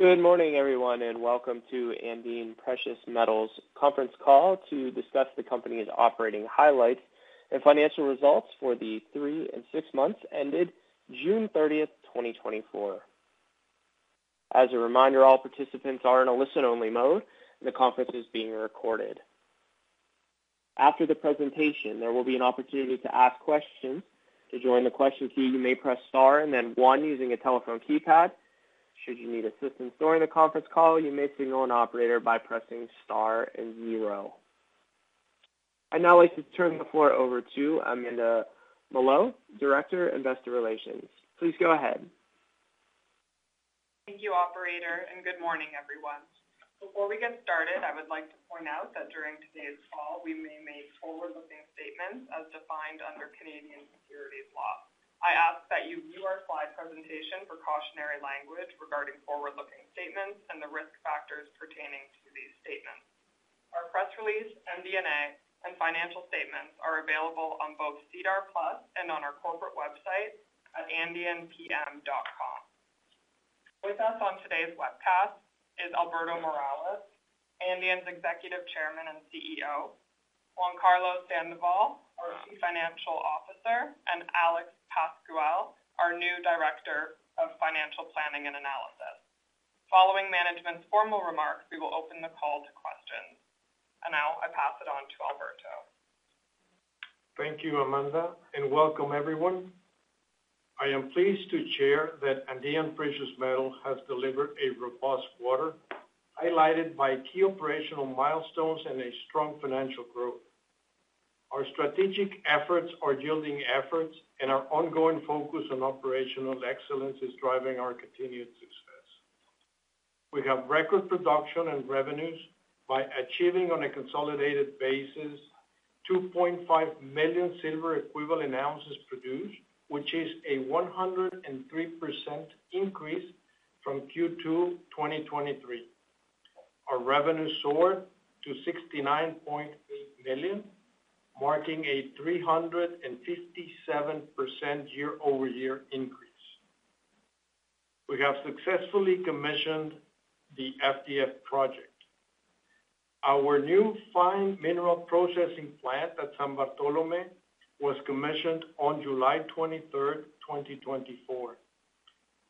Good morning, everyone, and welcome to Andean Precious Metals Conference Call to discuss the company's operating highlights and financial results for the three and six months ended June 30th, 2024. As a reminder, all participants are in a listen-only mode, and the conference is being recorded. After the presentation, there will be an opportunity to ask questions. To join the question queue, you may press Star and then one using a telephone keypad. Should you need assistance during the conference call, you may signal an operator by pressing star and zero. I'd now like to turn the floor over to Amanda Mallough, Director, Investor Relations. Please go ahead. Thank you, operator, and good morning, everyone. Before we get started, I would like to point out that during today's call, we may make forward-looking statements as defined under Canadian securities law. I ask that you view our slide presentation precautionary language regarding forward-looking statements and the risk factors pertaining to these statements. Our press release, MD&A, and financial statements are available on both SEDAR+ and on our corporate website at andeanpm.com. With us on today's webcast is Alberto Morales, Andean's Executive Chairman and CEO, Juan Carlos Sandoval, our Chief Financial Officer, and Alex Pascual, our new Director of Financial Planning and Analysis. Following management's formal remarks, we will open the call to questions. Now I pass it on to Alberto. Thank you, Amanda, and welcome everyone. I am pleased to share that Andean Precious Metals has delivered a robust quarter, highlighted by key operational milestones and a strong financial growth. Our strategic efforts are yielding results, and our ongoing focus on operational excellence is driving our continued success. We have record production and revenues by achieving on a consolidated basis, 2.5 million silver equivalent ounces produced, which is a 103% increase from Q2 2023. Our revenue soared to $69.8 million, marking a 357% YoY increase. We have successfully commissioned the FDF project. Our new fine mineral processing plant at San Bartolomé was commissioned on July 23, 2024.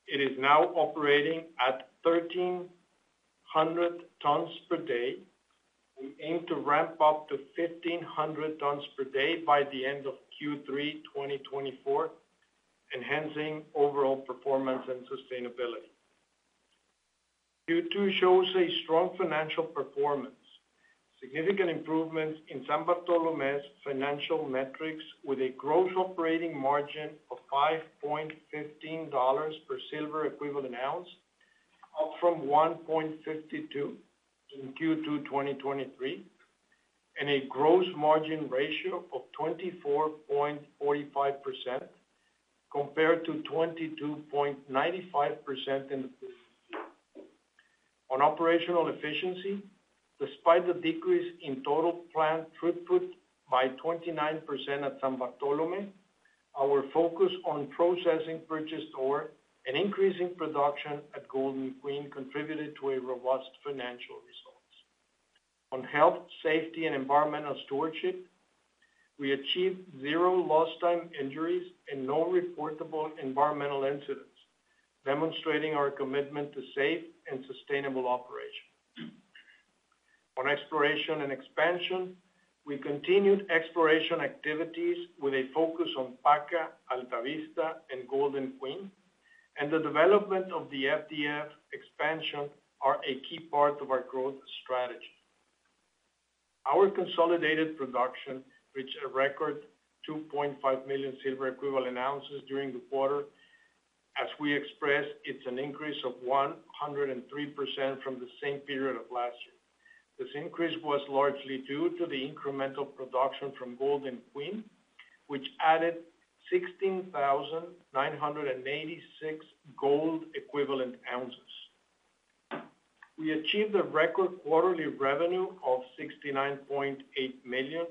It is now operating at 1,300 tons per day. We aim to ramp up to 1,500 tons per day by the end of Q3 2024, enhancing overall performance and sustainability. Q2 shows a strong financial performance, significant improvements in San Bartolomé's financial metrics, with a gross operating margin of $5.15 per silver equivalent ounce, up from $1.52 in Q2 2023, and a gross margin ratio of 24.45% compared to 22.95% in the previous year. On operational efficiency, despite the decrease in total plant throughput by 29% at San Bartolomé, our focus on processing purchased ore, an increase in production at Golden Queen contributed to a robust financial results. On health, safety, and environmental stewardship, we achieved zero lost time injuries and no reportable environmental incidents, demonstrating our commitment to safe and sustainable operation. On exploration and expansion, we continued exploration activities with a focus on Paca, Alta Vista, and Golden Queen, and the development of the FDF expansion are a key part of our growth strategy. Our consolidated production reached a record 2.5 million silver equivalent ounces during the quarter. As we expressed, it's an increase of 103% from the same period of last year. This increase was largely due to the incremental production from Golden Queen, which added 16,986 gold equivalent ounces. We achieved a record quarterly revenue of $69.8 million,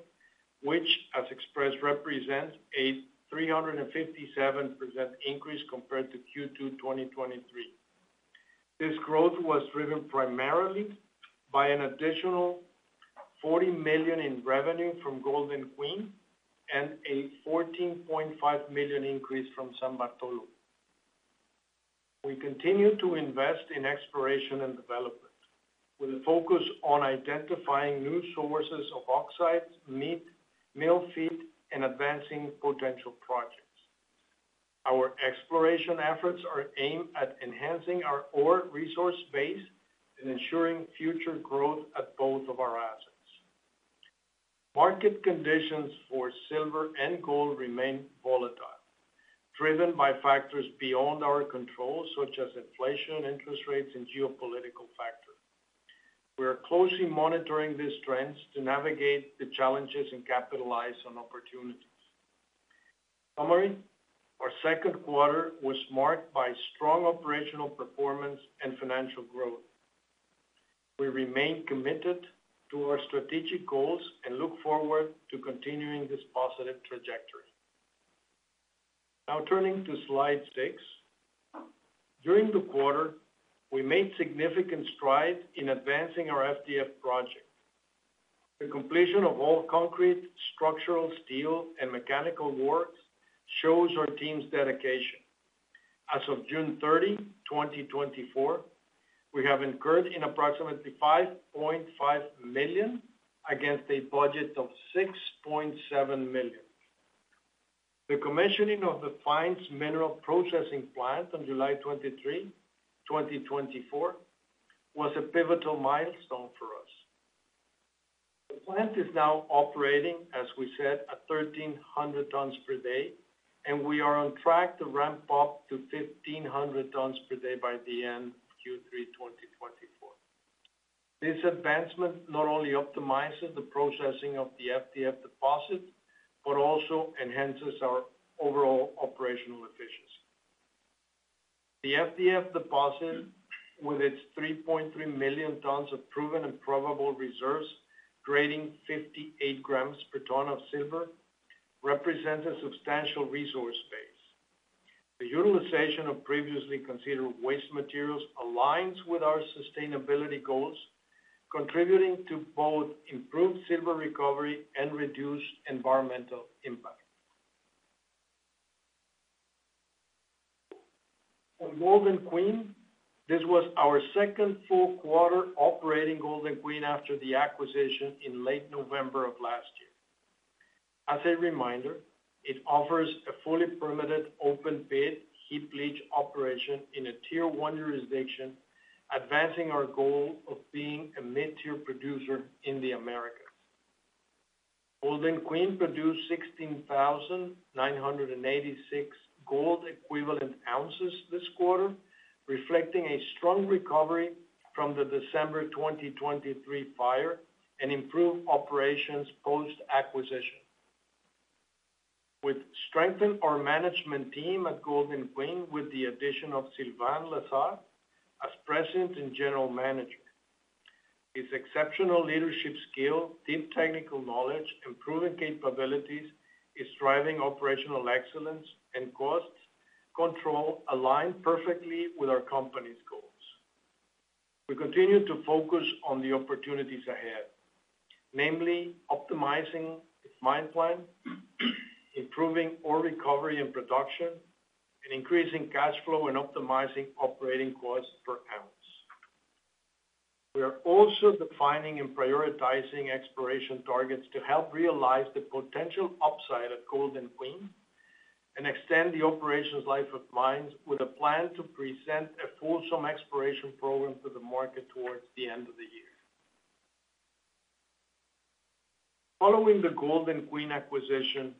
which, as expressed, represents a 357% increase compared to Q2 2023. This growth was driven primarily by an additional $40 million in revenue from Golden Queen and a $14.5 million increase from San Bartolomé. We continue to invest in exploration and development, with a focus on identifying new sources of oxides, M&A, mill feed, and advancing potential projects. Our exploration efforts are aimed at enhancing our ore resource base and ensuring future growth at both of our assets. Market conditions for silver and gold remain volatile, driven by factors beyond our control, such as inflation, interest rates, and geopolitical factors. We are closely monitoring these trends to navigate the challenges and capitalize on opportunities. Summary, our second quarter was marked by strong operational performance and financial growth. We remain committed to our strategic goals and look forward to continuing this positive trajectory.... Now turning to slide 6. During the quarter, we made significant strides in advancing our FDF project. The completion of all concrete, structural, steel, and mechanical works shows our team's dedication. As of June 30th, 2024, we have incurred in approximately $5.5 million against a budget of $6.7 million. The commissioning of the fines mineral processing plant on July 23rd, 2024, was a pivotal milestone for us. The plant is now operating, as we said, at 1,300 tons per day, and we are on track to ramp up to 1,500 tons per day by the end of Q3 2024. This advancement not only optimizes the processing of the FDF deposit, but also enhances our overall operational efficiency. The FDF deposit, with its 3.3 million tons of proven and probable reserves, grading 58 grams per ton of silver, represents a substantial resource base. The utilization of previously considered waste materials aligns with our sustainability goals, contributing to both improved silver recovery and reduced environmental impact. On Golden Queen, this was our second full quarter operating Golden Queen after the acquisition in late November of last year. As a reminder, it offers a fully permitted open pit heap leach operation in a Tier One jurisdiction, advancing our goal of being a mid-tier producer in the Americas. Golden Queen produced 16,986 gold equivalent ounces this quarter, reflecting a strong recovery from the December 2023 fire and improved operations post-acquisition. We've strengthened our management team at Golden Queen with the addition of Sylvain Lessard as president and general manager. His exceptional leadership skill, deep technical knowledge, and proven capabilities in driving operational excellence and costs control align perfectly with our company's goals. We continue to focus on the opportunities ahead, namely optimizing the mine plan, improving ore recovery and production, and increasing cash flow and optimizing operating costs per ounce. We are also defining and prioritizing exploration targets to help realize the potential upside at Golden Queen, and extend the operations life of mine with a plan to present a fulsome exploration program to the market towards the end of the year. Following the Golden Queen acquisition,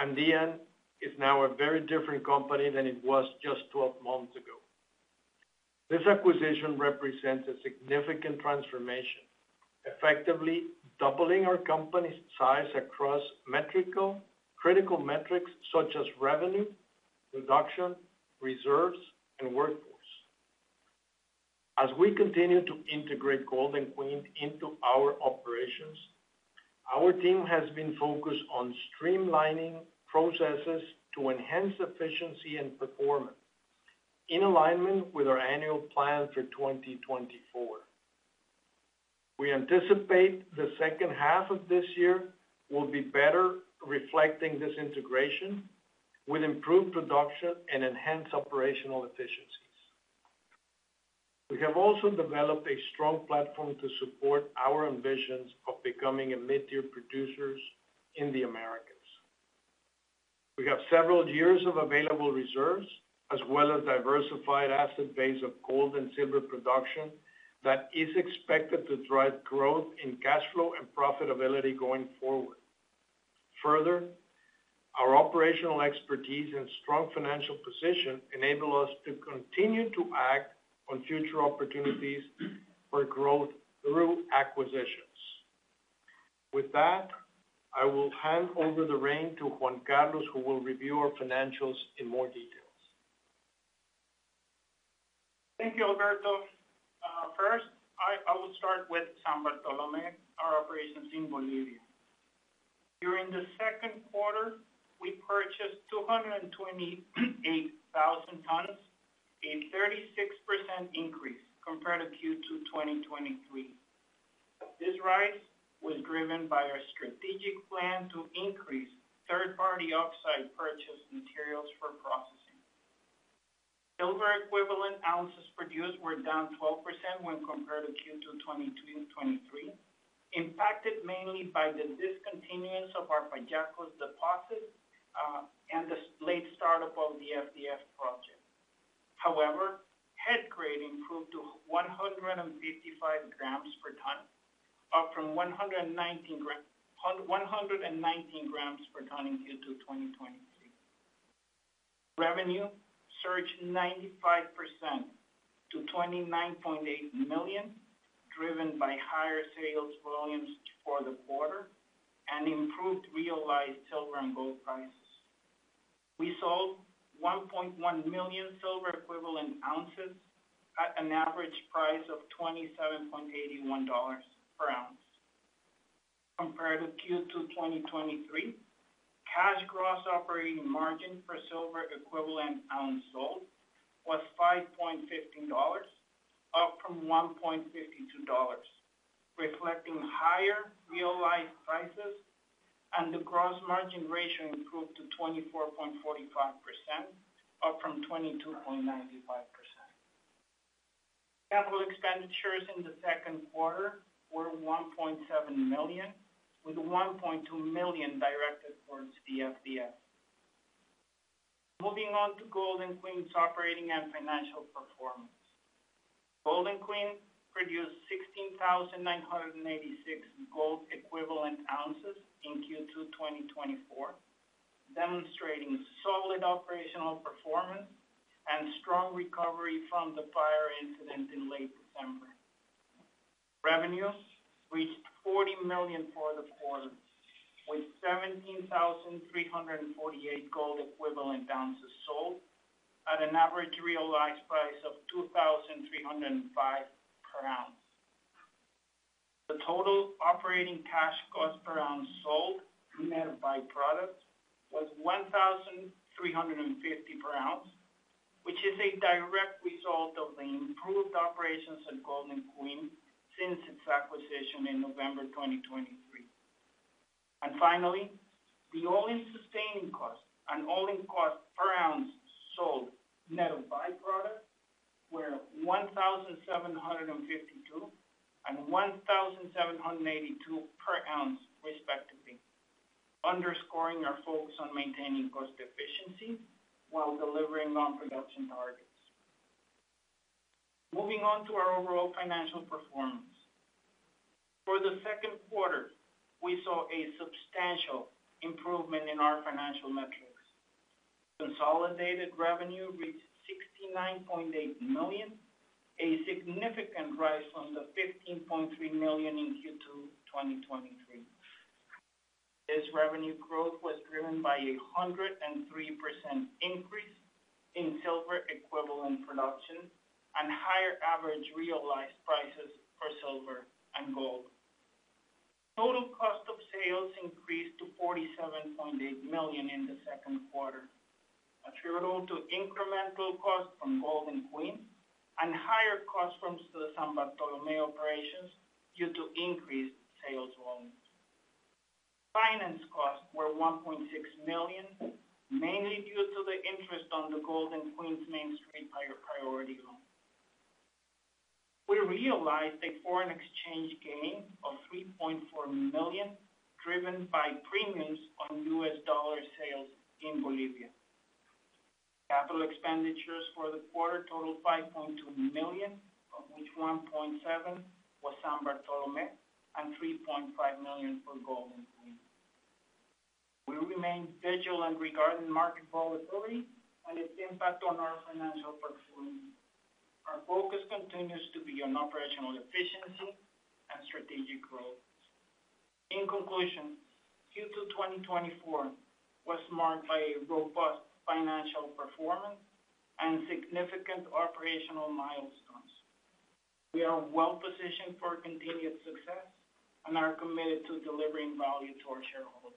Andean is now a very different company than it was just 12 months ago. This acquisition represents a significant transformation, effectively doubling our company's size across mission-critical metrics such as revenue, production, reserves, and workforce. As we continue to integrate Golden Queen into our operations, our team has been focused on streamlining processes to enhance efficiency and performance in alignment with our annual plan for 2024. We anticipate the second half of this year will be better reflecting this integration, with improved production and enhanced operational efficiencies. We have also developed a strong platform to support our ambitions of becoming a mid-tier producer in the Americas. We have several years of available reserves, as well as diversified asset base of gold and silver production, that is expected to drive growth in cash flow and profitability going forward. Further, our operational expertise and strong financial position enable us to continue to act on future opportunities for growth through acquisitions. With that, I will hand over the reins to Juan Carlos, who will review our financials in more detail. Thank you, Alberto. First, I will start with San Bartolomé, our operations in Bolivia. During the second quarter, we purchased 228,000 tons, a 36% increase compared to Q2 2023. This rise was driven by our strategic plan to increase third-party oxide purchased materials for processing. Silver equivalent ounces produced were down 12% when compared to Q2 2023, impacted mainly by the discontinuance of our Pallacos deposit, and the late start-up of the FDF project. However, head grade improved to 155 grams per ton, up from 119 grams per ton in Q2 2023. Revenue surged 95% to $29.8 million, driven by higher sales volumes for the quarter and improved realized silver and gold prices. We sold 1.1 million silver equivalent ounces at an average price of $27.81 per ounce, compared to Q2 2023, cash gross operating margin for silver equivalent ounce sold was $5.15, up from $1.52, reflecting higher realized prices, and the gross margin ratio improved to 24.45%, up from 22.95%. Capital expenditures in the second quarter were $1.7 million, with $1.2 million directed towards the FDF. Moving on to Golden Queen's operating and financial performance. Golden Queen produced 16,986 gold equivalent ounces in Q2 2024, demonstrating solid operational performance and strong recovery from the fire incident in late December. Revenues reached $40 million for the quarter, with 17,348 gold equivalent ounces sold at an average realized price of $2,305 per ounce. The total operating cash cost per ounce sold, net of by-products, was $1,350 per ounce, which is a direct result of the improved operations at Golden Queen since its acquisition in November 2023. And finally, the All-in Sustaining Cost and all-in cost per ounce sold, net of by-product, were $1,752 and $1,782 per ounce, respectively, underscoring our focus on maintaining cost efficiency while delivering on production targets. Moving on to our overall financial performance. For the second quarter, we saw a substantial improvement in our financial metrics. Consolidated revenue reached $69.8 million, a significant rise from the $15.3 million in Q2 2023. This revenue growth was driven by a 103% increase in silver equivalent production and higher average realized prices for silver and gold. Total cost of sales increased to $47.8 million in the second quarter, attributable to incremental costs from Golden Queen and higher costs from the San Bartolomé operations due to increased sales volumes. Finance costs were $1.6 million, mainly due to the interest on the Golden Queen's Main Street Priority Loan. We realized a foreign exchange gain of $3.4 million, driven by premiums on U.S. dollar sales in Bolivia. Capital expenditures for the quarter totaled $5.2 million, of which $1.7 million was San Bartolomé and $3.5 million for Golden Queen. We remain vigilant regarding market volatility and its impact on our financial performance. Our focus continues to be on operational efficiency and strategic growth. In conclusion, Q2 2024 was marked by a robust financial performance and significant operational milestones. We are well-positioned for continued success and are committed to delivering value to our shareholders.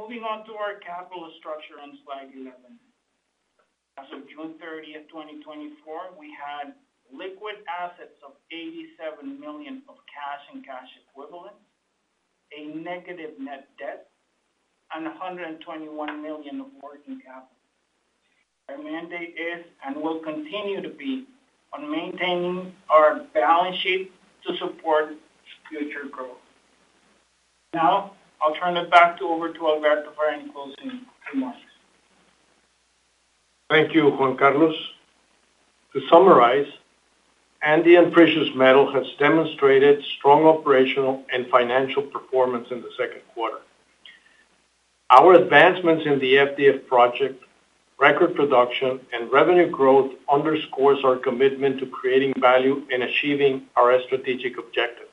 Moving on to our capital structure on slide 11. As of June 30th, 2024, we had liquid assets of $87 million of cash and cash equivalents, a negative net debt, and $121 million of working capital. Our mandate is, and will continue to be, on maintaining our balance sheet to support future growth. Now, I'll turn it back to over to Alberto for any closing remarks. Thank you, Juan Carlos. To summarize, Andean Precious Metals has demonstrated strong operational and financial performance in the second quarter. Our advancements in the FDF project, record production, and revenue growth underscores our commitment to creating value and achieving our strategic objectives.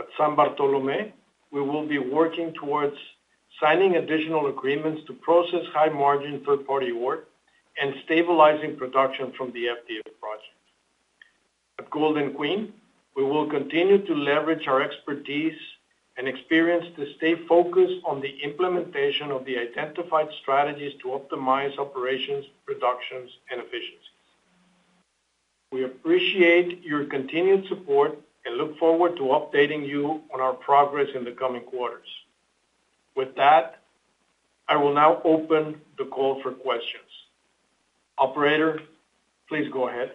At San Bartolomé, we will be working towards signing additional agreements to process high-margin third-party work and stabilizing production from the FDF project. At Golden Queen, we will continue to leverage our expertise and experience to stay focused on the implementation of the identified strategies to optimize operations, productions, and efficiencies. We appreciate your continued support and look forward to updating you on our progress in the coming quarters. With that, I will now open the call for questions. Operator, please go ahead.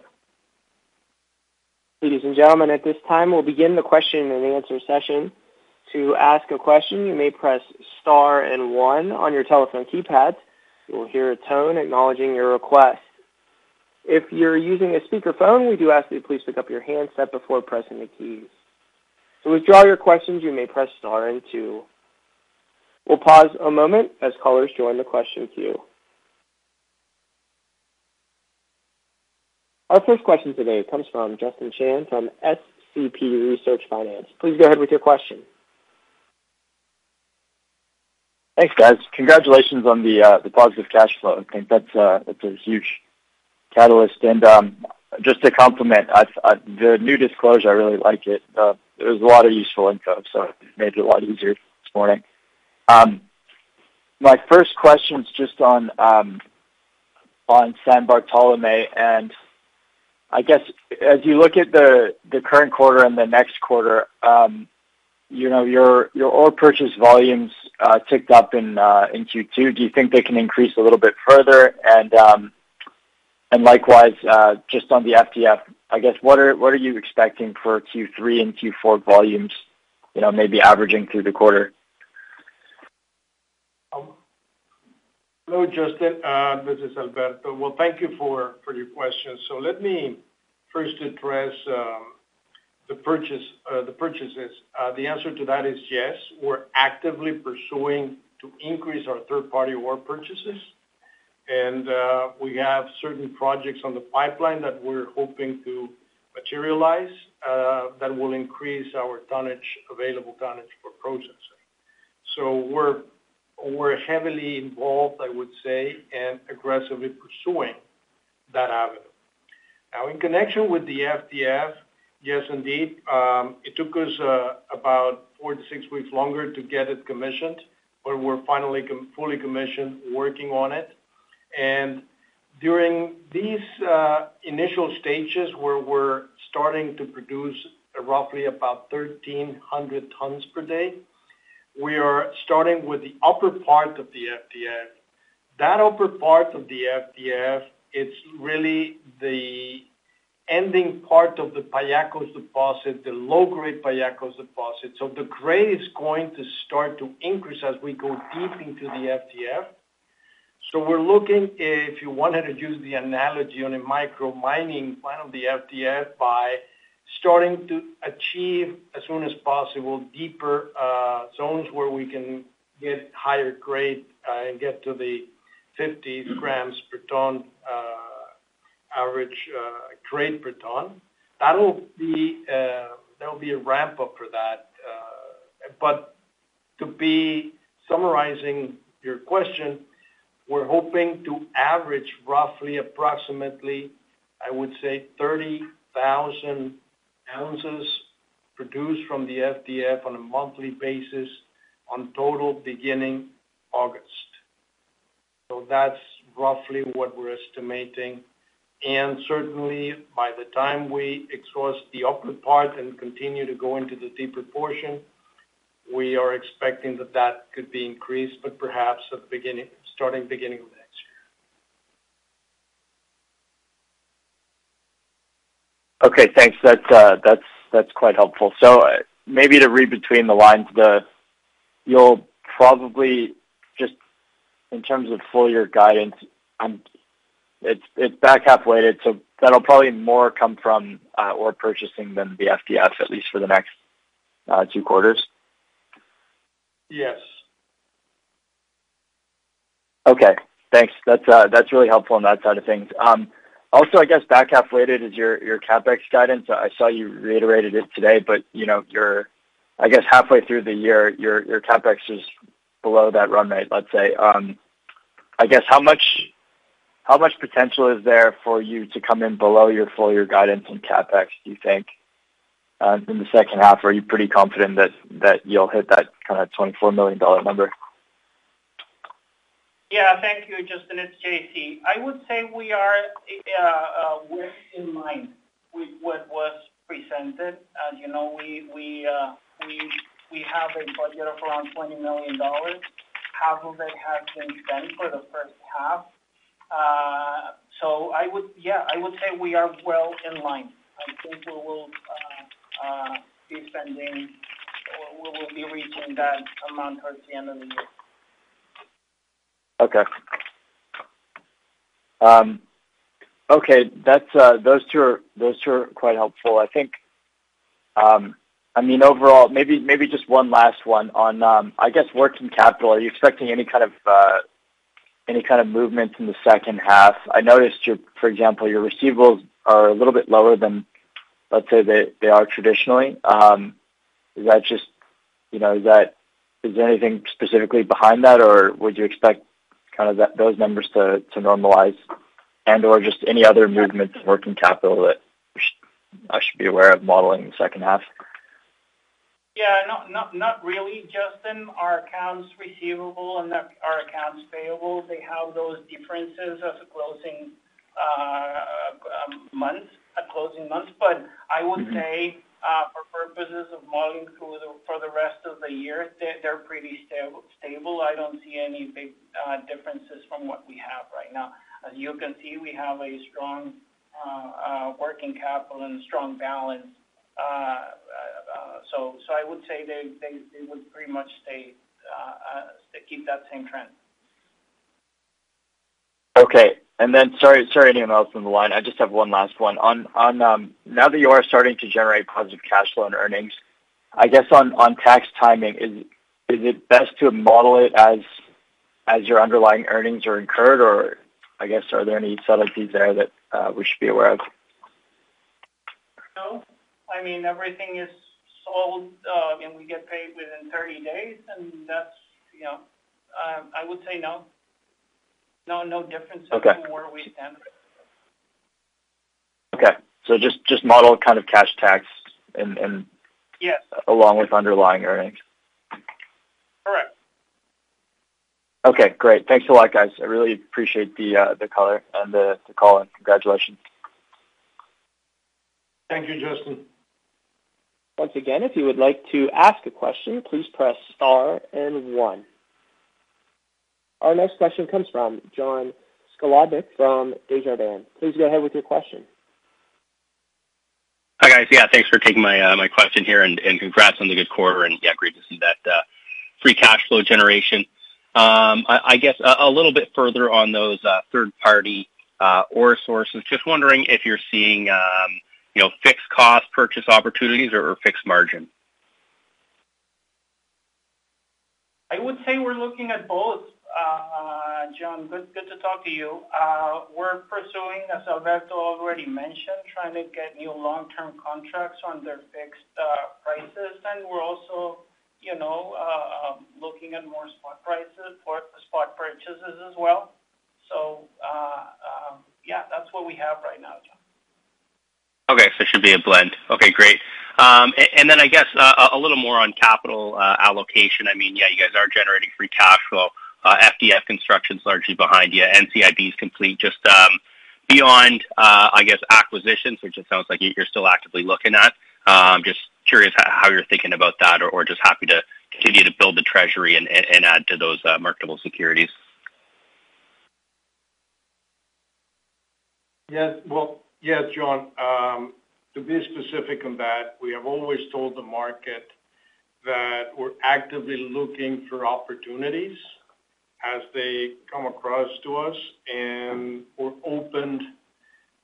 Ladies and gentlemen, at this time, we'll begin the question and answer session. To ask a question, you may press star and one on your telephone keypad. You will hear a tone acknowledging your request. If you're using a speakerphone, we do ask that you please pick up your handset before pressing the keys. To withdraw your questions, you may press star and two. We'll pause a moment as callers join the question queue. Our first question today comes from Justin Chan from SCP Resource Finance. Please go ahead with your question. ... Thanks, guys. Congratulations on the, the positive cash flow. I think that's a, that's a huge catalyst. And, just to compliment, the new disclosure, I really like it. There's a lot of useful info, so it made it a lot easier this morning. My first question is just on San Bartolomé, and I guess as you look at the, the current quarter and the next quarter, you know, your, your ore purchase volumes ticked up in Q2. Do you think they can increase a little bit further? And, and likewise, just on the FDF, I guess, what are you expecting for Q3 and Q4 volumes, you know, maybe averaging through the quarter? Hello, Justin, this is Alberto. Well, thank you for your question. So let me first address the purchase, the purchases. The answer to that is yes, we're actively pursuing to increase our third-party ore purchases, and we have certain projects on the pipeline that we're hoping to materialize that will increase our tonnage, available tonnage for processing. So we're heavily involved, I would say, and aggressively pursuing that avenue. Now, in connection with the FDF, yes, indeed, it took us about 4-6 weeks longer to get it commissioned, but we're finally fully commissioned, working on it. And during these initial stages, where we're starting to produce roughly about 1,300 tons per day, we are starting with the upper part of the FDF. That upper part of the FDF, it's really the ending part of the Pallacos deposit, the low-grade Pallacos deposit. So the grade is going to start to increase as we go deep into the FDF. So we're looking, if you wanted to use the analogy on a micro-mine of the FDF, by starting to achieve, as soon as possible, deeper, zones, where we can get higher grade, and get to the fifties grams per ton, average, grade per ton. That'll be, there'll be a ramp-up for that, but to be summarizing your question, we're hoping to average roughly approximately, I would say, 30,000 ounces produced from the FDF on a monthly basis on total beginning August. So that's roughly what we're estimating. And certainly, by the time we exhaust the upper part and continue to go into the deeper portion, we are expecting that that could be increased, but perhaps at the beginning, starting beginning of next year. Okay, thanks. That's quite helpful. So maybe to read between the lines, you'll probably, just in terms of full year guidance, it's back-half-weighted, so that'll probably more come from ore purchasing than the FDF, at least for the next two quarters? Yes. Okay, thanks. That's, that's really helpful on that side of things. Also, I guess back-half-weighted is your, your CapEx guidance. I saw you reiterated it today, but, you know, you're, I guess, halfway through the year, your, your CapEx is below that run rate, let's say. I guess, how much, how much potential is there for you to come in below your full year guidance in CapEx, do you think, in the second half? Are you pretty confident that, that you'll hit that kind of $24 million number? Yeah, thank you, Justin. It's JC. I would say we are, we're in line with what was presented. As you know, we have a budget of around $20 million. Half of it has been spent for the first half. So I would, yeah, I would say we are well in line. I think we will be spending or we will be reaching that amount at the end of the year. Okay. Okay, that's, those two are, those two are quite helpful. I think, I mean, overall, maybe, maybe just one last one on, I guess, working capital. Are you expecting any kind of, any kind of movement in the second half? I noticed your, for example, your receivables are a little bit lower than, let's say, they, they are traditionally. Is that just, you know, is that- is there anything specifically behind that, or would you expect kind of that, those numbers to, to normalize? And/or just any other movements in working capital that I should, I should be aware of modeling in the second half? Yeah, not really, Justin. Our accounts receivable and our accounts payable, they have those differences as a closing months, at closing months. But I would say, for purposes of modeling for the rest of the year, they're pretty stable. I don't see any big differences from what we have right now. As you can see, we have a strong working capital and a strong balance. So I would say they would pretty much stay, keep that same trend. Okay. And then, sorry, sorry, anyone else on the line. I just have one last one. On now that you are starting to generate positive cash flow and earnings, I guess on tax timing, is it best to model it as your underlying earnings are incurred? Or I guess, are there any subtleties there that we should be aware of?... No, I mean, everything is sold, and we get paid within 30 days, and that's, you know, I would say no. No, no difference- Okay. from where we stand. Okay. So just model kind of cash tax and- Yeah. Along with underlying earnings? Correct. Okay, great. Thanks a lot, guys. I really appreciate the color and the call, and congratulations. Thank you, Justin. Once again, if you would like to ask a question, please press Star and One. Our next question comes from John Sclodnick from Desjardins. Please go ahead with your question. Hi, guys. Yeah, thanks for taking my question here, and congrats on the good quarter, and yeah, great to see that free cash flow generation. I guess a little bit further on those third-party ore sources. Just wondering if you're seeing, you know, fixed cost purchase opportunities or fixed margin? I would say we're looking at both. John, good, good to talk to you. We're pursuing, as Alberto already mentioned, trying to get new long-term contracts under fixed prices. And we're also, you know, looking at more spot prices for the spot purchases as well. So, yeah, that's what we have right now, John. Okay, so it should be a blend. Okay, great. And then I guess a little more on capital allocation. I mean, yeah, you guys are generating free cash flow. FDF construction's largely behind you. NCIB is complete, just beyond, I guess, acquisitions, which it sounds like you're still actively looking at. Just curious how you're thinking about that or just happy to continue to build the treasury and add to those marketable securities? Yes. Well, yes, John, to be specific on that, we have always told the market that we're actively looking for opportunities as they come across to us, and we're open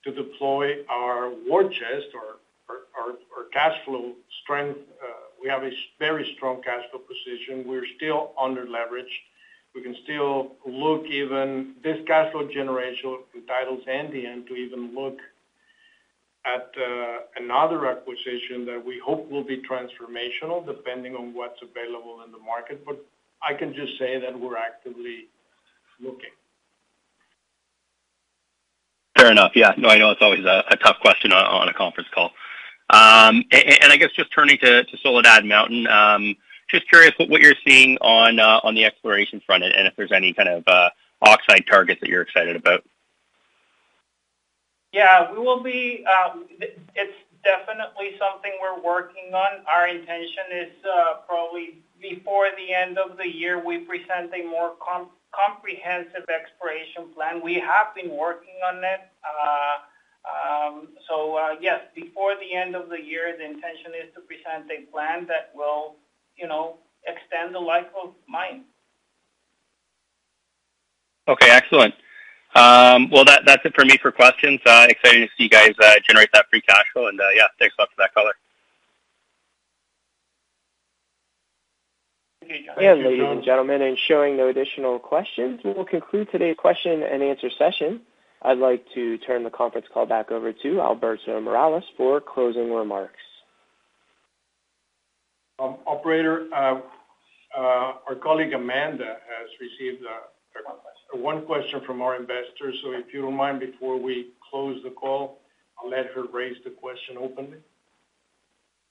to deploy our war chest or our cash flow strength. We have a very strong cash flow position. We're still under leverage. We can still look, even this cash flow generation entitles Andean to even look at another acquisition that we hope will be transformational, depending on what's available in the market. But I can just say that we're actively looking. Fair enough. Yeah. No, I know it's always a, a tough question on, on a conference call. And I guess just turning to, to Soledad Mountain, just curious what, what you're seeing on, on the exploration front and if there's any kind of, oxide targets that you're excited about. Yeah, we will be. It's definitely something we're working on. Our intention is, probably before the end of the year, we present a more comprehensive exploration plan. We have been working on it. So, yes, before the end of the year, the intention is to present a plan that will, you know, extend the life of mine. Okay, excellent. Well, that's it for me for questions. Exciting to see you guys generate that free cash flow and, yeah, thanks a lot for that color. Thank you, John. Ladies and gentlemen, seeing no additional questions, we will conclude today's question and answer session. I'd like to turn the conference call back over to Alberto Morales for closing remarks. Operator, our colleague, Amanda, has received, One question. One question from our investors. So if you don't mind, before we close the call, I'll let her raise the question openly.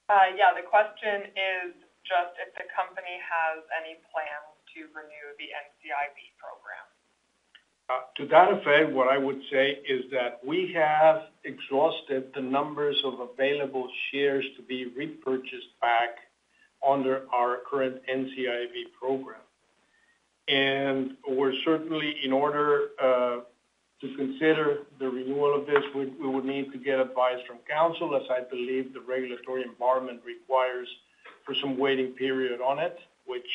Yeah, the question is just if the company has any plans to renew the NCIB program? To that effect, what I would say is that we have exhausted the numbers of available shares to be repurchased back under our current NCIB program. And we're certainly, in order, to consider the renewal of this, we would need to get advice from counsel, as I believe the regulatory environment requires for some waiting period on it, which...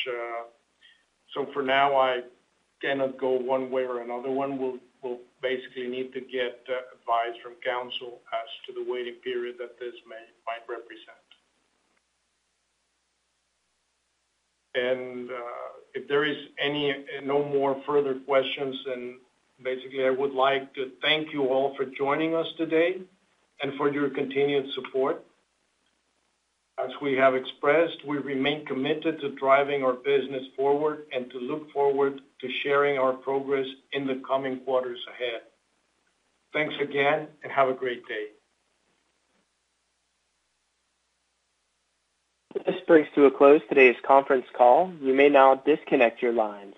So for now, I cannot go one way or another. We'll basically need to get advice from counsel as to the waiting period that this might represent. And, if there is any, no more further questions, then basically I would like to thank you all for joining us today and for your continued support. As we have expressed, we remain committed to driving our business forward and to look forward to sharing our progress in the coming quarters ahead. Thanks again, and have a great day. This brings to a close today's conference call. You may now disconnect your lines.